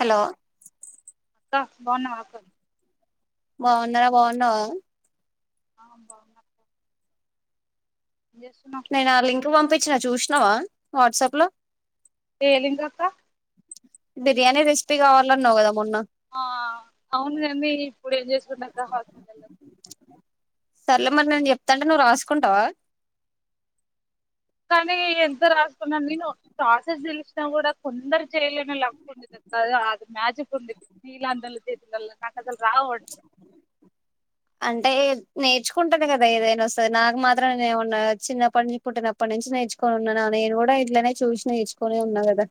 Hello క్క బాగున్నావా అక్క బాగున్నరా బాగున్నావ. ఆ బాగున్నా ఏం చేస్తున్నావ్ నేనా లింక్ పంపి చ్చిన చూశ్నవా వాట్సాప్ లో ఏ లింక్ అక్క బిర్యానీ రెసిపీ కావాలన్నావు గదా మొన్న ఆ అవునులేమ్మీ ఇప్పుడు ఏం చేసుకుంట అక్కా హాస్టల్ లల్లో సర్లే మరి నేన్ చెప్తాంటే నువ్వు రాసుకుంటావా. కానీ ఎంత రాసుకున్నా నేను ప్రాసెస్ తెలిసినా కూడా కొందరు చేయలేని లక్ ఉండిద్ది. కదా అది మ్యాజిక్ ఉండిద్ది నీలాంటోళ్ళ చేతిలల్ల అసలు రావు వంట అంటే నేర్చుకుంటెనే కదా ఏదైనా వస్తది నాకు మాత్రం నే ఏమన్నా చిన్నప్పటి పుట్టినప్పటి నుంచి నేర్చుకొని ఉన్ననా నేను కూడా ఇట్లనే చూసి నేర్చుకునే ఉన్నా కదా.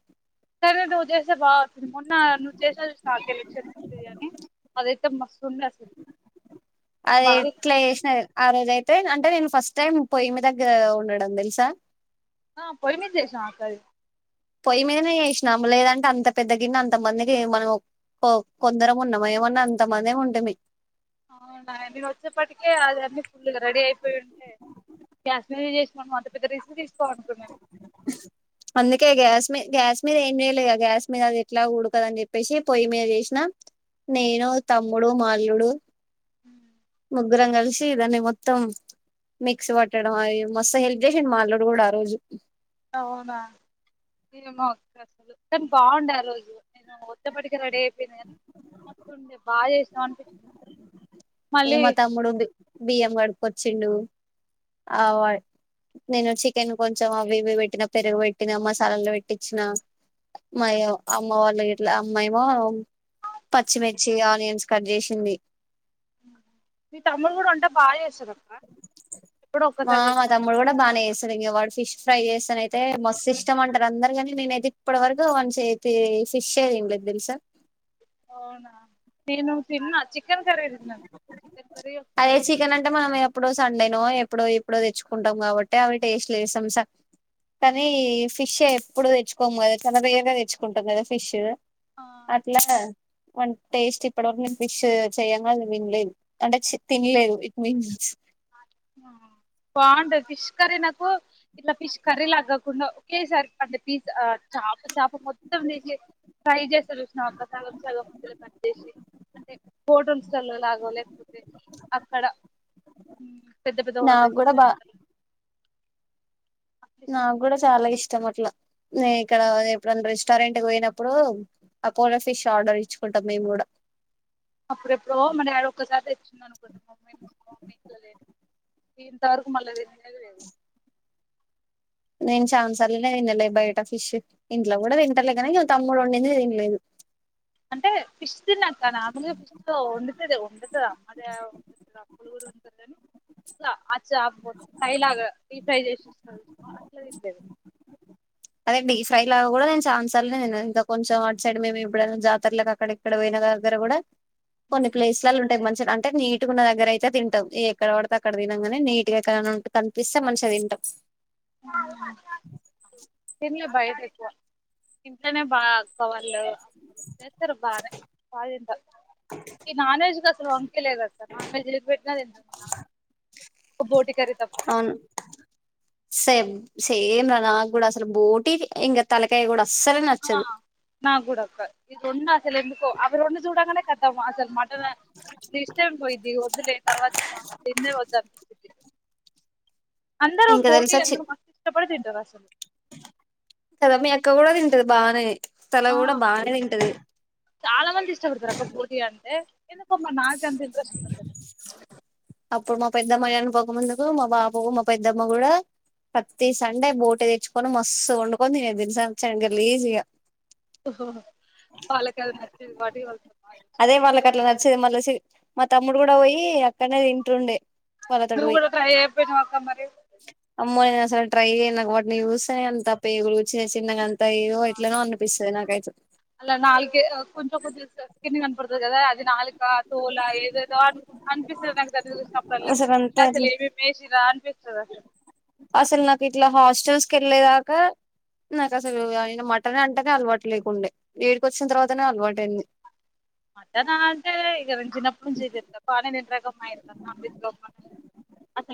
సరే నువ్వు చేస్తే బాగా వస్తుంది మొన్న నువ్వు చేసినవ్ చూశ్నావా తెల్ల చట్నీ అని అది. తే మస్తుంది అసలు నేను అది బాగా ఎట్లా చేసిన ఆ రోజ అయితే అంటే నేను ఫస్ట్ టైం పొయ్యి మీదగ్గ ఉండడం తెలుసా పోయి మీద చేసినావా అక్క అది పొయ్యి మీదనే చేసినాం లేదంటే అంత పెద్ద గిన్న అంత మందికి మనం కొ కొందరం ఉన్నమా ఏమన్నా అంతమందిమి ఉంటిమి. అవునా నేను వచ్చేప్పటికే అది అన్నీ ఫుల్గా రెడీ అయిపోయి ఉంటే గ్యాస్ మీద చేసినవ అంత పెద్ద రిస్క్ తీస్ అందుకే గ్యాస్ మీ గ్యాస్ మీద ఏం జేయలే ఆ గ్యాస్ మీద అది ఎట్లా ఉడకదు అని చెప్పేసి పొయ్యి మీద చేసినా నేనూ, తమ్ముడు, మా. ఇవుడు ఉహు ముగ్గురం కలిసి దాన్ని మొత్తం మిక్స్ పట్టడం అవి మస్తు హెల్ప్ చేసిండు మా అల్లుడు గూడా ఆ రోజు అవునా ఏమో అక్క అసలు కానీ బాగుండే ఆ రోజు నేను ఒచ్చేప్పటికే రెడీ అయిపోయింది కానీ మస్తుండే బాగా చేశ్ ఏ మా తమ్ముడు బి బియ్యం కడుకొ చిండు ఆవయ్ నేను చికెన్ కొంచెం అవి ఇవి వెట్టిన పెరుగు వెట్టిన మసాలాలు వెట్టిచ్చిన మయొ అమ్మ వాళ్ళు ఇట్లా అమ్మా ఏమో పచ్చిమిర్చి ఆనియన్స్ కట్ చేసింది మీ తమ్ముడు కూడా వంట బాగా చేస్ మా తమ్ముడు కూడా బానే చేస్తాడు ఇంగా వాడు ఫిష్ ఫ్రై చేస్తేనైతే మస్తు ఇష్టం అంటరు అందరు గానీ నేనైతే ఇప్పటి వరకు వన్ చేతి ఫిష్షే తినలేదు తెలుసా అవునా నేను తిన్న చికెన్ కర్రీ తిన్న అదే చికెన్ అంటే మనం ఎప్పుడో సండేనో ఎ అప్పుడో ఇప్పుడో తెచ్చుకుంటాం కాబట్టి అవి టేస్ట్ లేస్తాం స కానీ ఫిష్ ఎప్పుడు తెచ్చుకోము కదా చాలా రేర్ గా తెచ్చుకుంటాం కదా ఫిష్ ఆ అట్లా వాన్ టేస్ట్ ఇప్పడవరకు నేను ఫిష్ చేయంగా వినలేదు అంటే చి తినలేదు ఇట్ మీన్స్ బాగుంటది ఫిష్ కర్రీ నాకు ఇట్ల ఫిష్ కర్రీ లా కాకుండా ఒకేసారి అడి పీజ చేప చేప మొత్తం తీసేసి ఫ్రై చేసి చూసినావా ఒక్క సగం సగం ముక్కలు కట్ చేసి అంటే హోటల్స్ లో లాగా లేకపోతే అక్కడ ఉ పెద్ద పెద్ద ఓ నాకు కూడా బా రెస్టారెంట్ల లో నాకు కూడా చాలా ఇష్టం అట్లా నే ఇక్కడ ఎప్పుడన్నా రెస్టారెంట్ కి పోయినప్పుడు అపోలో ఫిష్ ఆర్డర్ ఇచ్చుకుంటాం మేము కూడా అప్పుడెప్పుడో మా డాడీ ఒక్కసారి తెచ్చినాడు అను చమ్ ఇంతవరకు మల్ల తినిన్నది లేదు నేను చానా సార్లే తిన్నాలే బయట ఫిష్ ఇంట్లో కూడా తినటలే కానీ మా తమ్ముడు వండింది తినలేను అంటే ఫిష్ తిన్నాక నార్మూల్ గా ఫిష్ తో వండితే అమ్మాది [unintelligible] ఉంటది కాని ఇట్లా అచ్చ [unintelligible] ఫ్రై లాగా డి ఫ్రై చేసి అట్లా తింటది అదే అండి ఈ ఫ్రై లాగా కూడా నేను చానా సార్లు తిన్నాను ఇంత కొంచెం అట్ సైడ్ మేము ఎప్పుడ అన్నా జాతరలకు అక్కడ ఇక్కడ పోయిన దగ్గర కూడా కొన్ని ప్లేస్ లలో అంటే మంచి అంటే నీట్ గున్న దగ్గర అయితే తింటాం ఏ ఎక్కడ పడితే అక్కడ తినం కానీ నీట్ గా ఎక్కడన్నా ఉంటే కనిపిస్తే మంచిగా తింటాం అ అంటే మీరు బయట ఎక్కువ ఇంట్లోనే బా అక్క వాళ్ళు చెత్తరు బానే బా తింటా ఇ నాన్వెజ్ కి అసలు వంకే లేదు [unintelligible] నాన్ వెజ్ ఏది పెట్టిన తింటా ఓ బోటి కర్రీ తప్ప అవును సేమ్ సేమ్ రా నాకు కూడా అసలు బోటీ ఇంకా తలకాయ కూడా అస్సలే ఆ నచ్చదు నాకు కూడా అక్క ఇక్కడున్న అసలు ఎందుకో ఆ రెండు చూడంగానే ఖతం అసలు మటన్ నా ఇష్టమే పోయింది వద్దులే తర్వాత తిందాం దీన్నే వద్దనుకుంది అందరూ ఇంకా బోటీ తెలుసా చి ఎందుకు మస్తి ఇష్టపడి తింటారు అస్ అ కదా మీ అక్క కూడా తింటది బాగానే తల ఆ కూడా బాగానే తింటది చాలామంది ఇష్టపడతారు అక్క బోటి అంటే ఎందుకమ్మా నా అంతా ఇంట్రెస్ట్ ఉండదు అప్పుడు మా పెద్దమ్మ నేను పోకముందు కు మా బాబు మా పెద్దమ్మ కూడా ప్రతి సండే బోటీ తెచ్చుకొని మస్తు వండుకొని తినేది తెలుసా చానా గలీజ్ గా ఓహో [unintelligible] అదే వాళ్ళకి అట్లా నచ్చింది మళ్ళా చి మా తమ్ముడు కూడా పోయి అక్కడనే పోయి తింటుండే వాళ్ళతోటి నువ్వు పోయి కూడా ట్రై అయిపోయినావ అక్క మరీ? అమ్మో నేనసలు ట్రై చేయ్యన్. నాకు వాటిని చూస్తే, అంతా పేగులు వచ్చేసి చిన్నగ అన్ త ఏదో ఎట్లనో అనిపిస్తది నాకు. రాయచు అలా నాలుకే కొంచం కొంచం స్కిన్ కనపడతది కదా అది నాలుకా తోలా ఏదేదో అనుకు అనిపిస్తది నాకు దాన్ని చూసినప్పుడల్లా. అసలు ఇంకా అంతా అస్సల్ ఏమేమి ఏసిర్రా అనిపిస్ సదా ట అస్సలు, నాకిట్ల హాస్టల్స్ కెళ్ళేదాకా నాకసలు అయన మటన్ అంటేనే అలవాటు లేకుండే. ఈడికి వచ్చిన తర్వాతనే అలవాటయింది. మటన్ అనంటే ఇగ నేను చిన్నప్పటి నుంచి ఇదే తింటా బానె తింటరా ఒకప్ మా ఇంట్లో ఉన్నా ఆఫీస్ లో ఉన్న [unintelligible]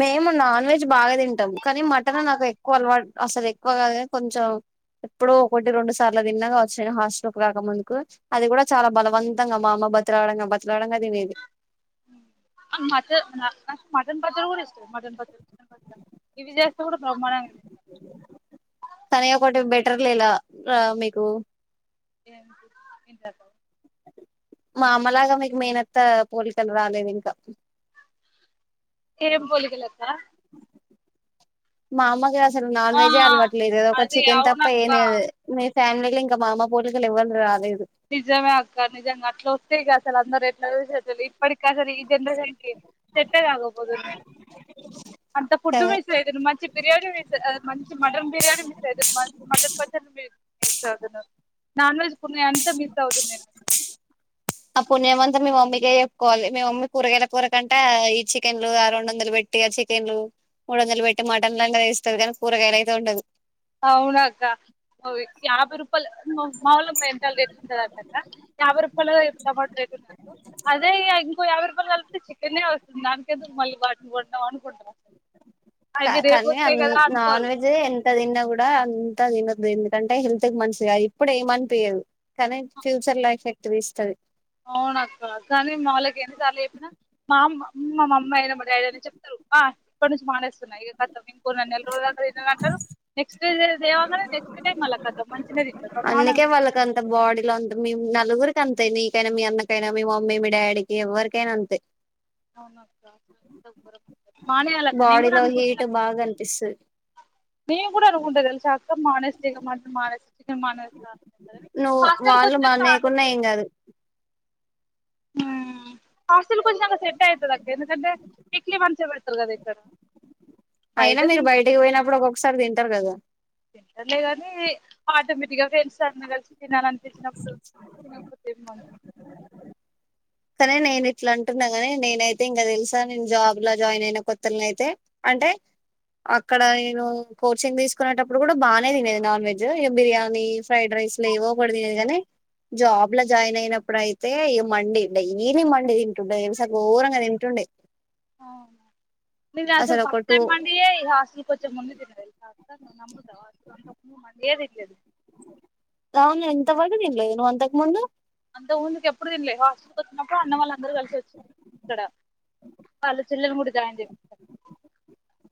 మేము నాన్ వెజ్ బాగా తింటాం. కానీ మటన్ నాకు ఎక్కువ అలవాటు అస్సలు ఎక్కువ కాదుకని, కొంచెం ఎప్పుడో ఒకటి రొండు సార్లు తిన్నాగావచ్చు నేను హాస్టల్కి రాక ముందుకు. అది కూడా, చాలా బలవంతంగా మా అమ్మ బతిలాడంగ బతిలాడంగ తినేది. మ్ ఆ మట నా నాక్ మటన్ పచ్చడి కూడా ఇస్ మటన్ పచ్చడి చికెన్ పచ్చడ ఇవి చేస్తే కూడా బ్రహ్మాండంగ తిన్ కానీ ఒకటి బెటర్ లే లా ర మీకు. ఏంటి ఏంటా డౌ మా అమ్మలాగా మీకు మేనత్త పోలికలు రాలేదు ఇంకా. ఏం పోలికలక్క? మా అమ్మగా తరు నాన్ ఆ వెజ్జె అలవాట్లేదు. ఒక అది చికెన్ తప్ప ఏం అవునక్క తినదు మే ఫ్యామిలిలో ఇంక మా అమ్మ పోలికలు ఎవ్వరికి రాలేదు. నిజమే అక్క నిజంగ అట్లొస్తే ఇగ అసలు అందరిట్ ట్లనె చెత్తల్ ఇప్పటిక్ అసలు ఈ జెనరేషన్ కి సెట్ టె గాకపోదున్ నేన్ అంత ఫుడ్ వేస్ట్ ఐతుంది మంచి బిర్యానీ. అన్ని మిస్ ఆ మంచి మటన్ బిర్యానీ మిస్ అయితున్నా మట్ మటన్ పచ్చడ్ని మి మిస్ అవుతున్నా. నాన్ వెజ్ పుణ్యా టె మిస్ అవుతున్నయ్ అని అంటరు. ఆ పుణ్యమంతా మీ మమ్మీకే చెప్పుకోవాలి. మీ మమ్మీ కూరగాయల కూరకంటే, ఈ చికెన్లు, ఆ రెండు వందలు పెట్టి ఆ చికెన్లు, మూడు వందలు పెట్టి మటన్లన్న తెస్తది కానీ, కూరగాయలయితే వండదు. అవునక్క అవి యాభై రుప్ కొల్ మా మావోల్లకి మెంటల్ లేస్తుంటదంటక్క. యాభై రూపాయలు ఈ టమాటో రేట్ ఉన్నయనుకో, అదే ఇగా ఇ ఇంకో యాభై రూపాయలు కలిపితే, చికెన్నే వస్తుంది దానికెందుకు మళ్ళీ వాటిని కొన్డం అనుకుంటారు అసలు కా అవి రేపు కానీ అన్ వస్తాయి కదా నాన్ అనుకోరు వెజ్ ఎంత తిన్నాగ్ కూడా అంత తినద్దు. ఎందుకంటే, హెల్త్ కి మంచిది కాదు. ఇప్పుడ్ ఏమనిపియదు కానీ, ఫ్యూచర్ లొ ఎఫెక్ట్ తీస్తది. అవునక్క కానీ మావళ్ళకి ఎన్నిసార్లు చెప్పినా, మా అమ్మ మా మమ్మీ అయినా మా డాడీ అయినా చెప్తారు. హ ఇప్పటి నుంచి మానేస్తున్నా ఇగ కథం. కొన్న నెల రోజులన్న తిననంటారు. నెక్స్ [unintelligible] లేవంగానే నెక్స్ట్ డే మల్ల కథం. మన్ అందుకే వాళ్ళకి అంత బాడీలో అంత మేం నలుగురి అంతే మీకైనా మీ అన్నకైనా మీ మమ్మీ మీ డాడీకి ఎవరికైనా అంతే అవునక్కా ప్ర ఎంత మానేయాలక్క నేను బాడీ కూడా లో అనుకుంటున్నా హీట్ బాగా అనిపిస్తది మేము కూడా అనుకుంటా తెలిసి అక్క మనస్తే ఇగా మరి మనస్తే చికెన్ మనస్తే నువ్వు వాళ్ళు మా నేయకున్నా ఏం గాదు ఊమ్ హాస్టల్ వచ్చాక అ సెట్ అయితది అక్క ఎందుకంటే వీక్లీ వన్స్ ఏ పెడుతారు కదా ఇక్కడ బయట అయినా మీరు తిన్ బయటికి పోయినప్పుడు ఒక్కక్కసారి తింటారు కదా అట్లే కాని ఆటోమేటిక్ గా ఫ్ [unintelligible] అని కలిసి తినాలనిపిస్త చిన్నపుడు తినకపోతే కోటేది మా అమ్మ కానీ నేను ఇట్లా అంటున్నా గాని నేనైతే ఇంకా తెలుసా నేను జాబ్ లో జాయిన్ అయిన కొత్తలోని అయితే అంటే అక్కడ నేను కోచింగ్ తీసుకునేటప్పుడు కూడా బాగానే తినేది నాన్ వెజ్ ఇ బిర్యానీ ఫ్రైడ్ రైస్ లేవో కూడా తినేది కాని జాబ్ లో జాయిన్ అయినప్పుడు అయితే ఇగ మండి డైలీ మండి తింటుండే తెలుసా ఘోరంగా తింటుండే అవునా నేను అసలు ఒక ఫస్ట్ టూ టైమ్ మండియే ఇ హాస్టల్కి వచ్చే ముందు తిన్న తెలుసా అందరిని నమ్ముతావా అక్క మండి ఏ తినలేదు అవును ఎంత వరకు తినలేదా నువ్వు అంతకు ముందు అంత ముందుకి ఎప్పుడు తినలే హాస్టల్కి వచ్చినప్పుడు అన్న వాళ్ళ అందరు కలిసి వచ్చారు ఇక్కడ వాళ్ళ చెల్లె ని కూడ జైన్ చేసారు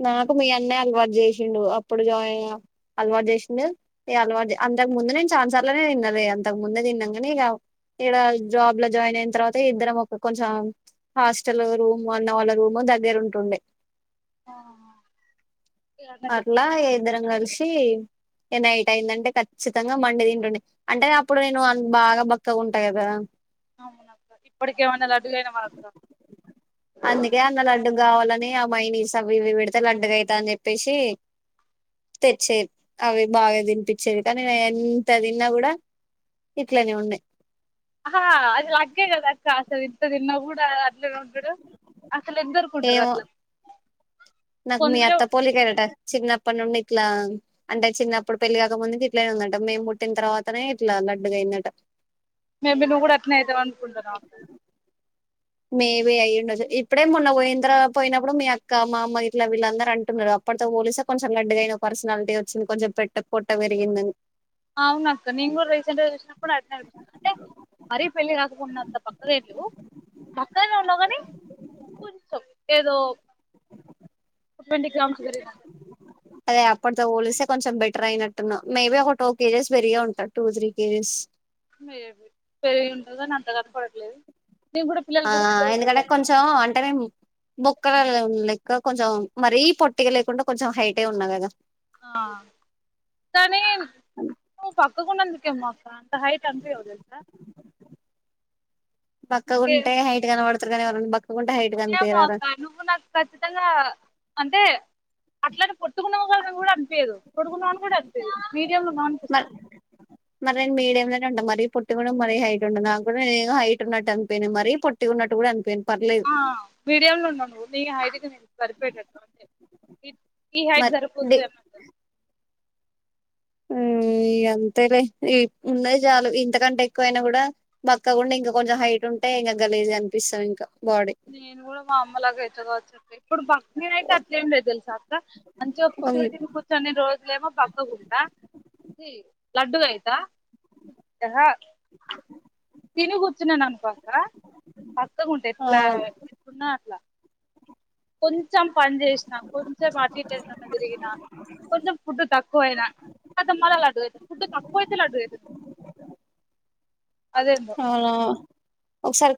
నాకు మీ అన్నయ అలవాటు చేసిండు అప్పుడు జాయిన్ అలవాటు చేసిండు ఈ అలవాటు అంతకు ముందు నేను చాలా సార్లు నే తిన్నా లే అంతకు ముందే తిన్నాను కాని ఇక ఇక్కడ జాబ్ లో జాయిన్ అయిన తర్వాత ఇద్దరం ఒక కొంచెం హాస్టల్ రూమ్ అన్న వాళ్ళ రూమ్ దగ్గర ఉంటుండే ఆ అట్లా ఇద్దరం కలిసి నైట్ అయిందంటే ఖచ్చితంగా మండి తింటుండే అంటే అప్పుడు నేను బాగా బక్కగా ఉంటా కదా అవునాక్క ఇప్పటికేమన్న లడుగైనవా అక్క అందుకే అన్న లడ్డు కావాలని ఆ మైని అవి ఇవి లండుగ అయితే అని చెప్పి చెప్పేసి తెచ్చేది అవి బాగా తినిపించేవి కానీ ఎంత తిన్నా కూడా ఇట్లనే ఉండే ా అది లక్ ఎ కద అక్క అసలు తిన్న కూడా అట్లనే ఉంటాడు అసలు ఎద్దరుకుంటారు ఏమో అట్లా నాకు మీ కొందరే అత్త పోలిక ఎ అట చిన్నపాటి నుండి ఇట్లా అంటే చిన్నప్పుడు పెళ్లి కాక ముందు ఇట్ల ఉందట మేము పుట్టిన తర్వాతనే ఇట్లా లడ్డుగా అయిదాట్ట మేబి నువ్వు కూడా అట్నే అవుతావ అనుకుంటాన్నావు అ మేబి అయ్యండు ఇప్పుడే మొన్న పోఓంద్ర పోయినప్పుడు మీ అక్క మా అమ్మ ఇట్లా వీళ్ళందరు అంటున్నారు అప్పటితో పోలిసే కొంచెం లడ్డుగా అయిన పర్సనాలిటీ వచ్చింది కొంచెం పెట్ట కొట్ట పెరిగిందని అవున అక్క నేను కూడా రీసెంట్ గా చూసిన కూడా అ అంటే మరీ పెళ్లిి కాకకుడాంత బక్కయే లేదు కానీ కొంచెం ఏదో ట్వంటీ గ్రామ్స్ గురి అదే అప్పటితో పోలిస్తే కొంచెం బెటర్ అయినట్టున్నా మేబీ ఒక టూ కేజెస్ పెరిగి ఉంటారు టూ త్రీ కేజీస్ పెరిగి ఉండదని అంత కథ పడట్లేదు ఆ ఎందుకంటే కొంచెం అంటేనేే బొక్కలలు లెక్క కొంచెం మరీ పొట్టిగా లేకుండా కొంచెం హైటే ఉన్నా కదా కనీ నువ్ పక్కకుడాందుకేమ్మో అక్క అంత హైట్ అంత ఎవ్వదు సా [inaudible] బక్కగుంటే హైట్ గనపడతరూ [inaudible] మో అక్క నువ్వు నాకు ఖచ్చితంగా అంటే అట్లనే పోట్టుకున్నావ క అనిపియ్యదు పొడుగు ఉన్నవని ఆనిపియ్యదు మీడియం లో నాన్పిస్తుంది మరి నే మీడియంంలోనే ఉండ మరి పొట్టి కూడా మరీ హైట్ ఉండదు నాకు కూడా న హైట్ ఉన్నట్టు అనిపోయిను మరి పొట్టి ఉన్నట్ కూడా అనిపోయిను ఆ మీడియం లో ఉన్నావ్ న హైగా నేను సరిపేటట్టు అంటే ఇ ఈ హైట్ మరి డి సరిపోతదో సరిపోదొ హుమ్ ఇగ అంతేలే ఉన్నది చాలు ఇంతకంటే ఎక్కువైనా కూడా బక్క గుండా ఇంకా కొంచెం హైట్ ఉంటే ఇంక గలీజ్ గాఅనిపిస్తాం ఇంకా బాడీ నేను కూడా మా అమ్మలాగా అవుత గావచ్చు వచ్చప్ప ఇప్పుడు భక్తి అయితే అట్లే ఏం లేదు తెలుసా క్క మంచిగా పుష్టిగా తిని కూర్చుని రోజులేమో పక్కగుంటా లడ్డుగాయితా తిని కూర్చున్నాను అనుకో పక్కకుంటే ఆ ఎట్లా ఎన్నా అట్లా కొ కొంచెం పని చేసిన కొంచెం అటు తిరిగిన కొంచెం ఫుడ్ తక్కువ అయినా అది మళ లడు ఫుడ్ తక్కువ అైతే లడ్డుగవుతు అవునా ఒకసారి